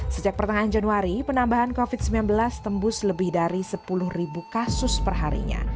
sejak pertengahan januari penambahan covid sembilan belas tembus lebih dari sepuluh kasus perharinya